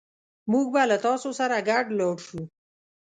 موږ به له تاسو سره ګډ لاړ شو